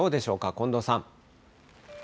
近藤さん。